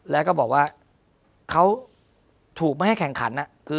แล้วก็บอกว่าเขาถูกไม่ให้แข่งขัน